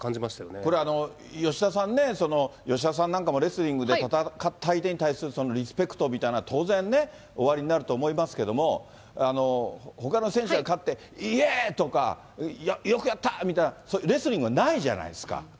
これ、吉田さんね、吉田さんなんかもレスリングで戦った相手に対するリスペクトみたいな、当然ね、おありになると思いますけども、ほかの選手が勝って、イエーイ！とか、よくやったみたいな、レスリングはないじゃないですか。